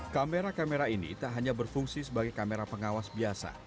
kamera kamera ini tak hanya berfungsi sebagai kamera pengawas biasa